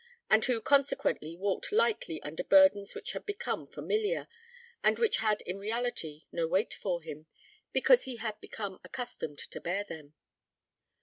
and who consequently walked lightly under burdens which had become familiar, and which had in reality no weight for him, because he had become accustomed to bear them.